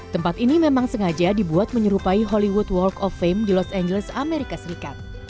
tempat ini memang sengaja dibuat menyerupai hollywood work of fame di los angeles amerika serikat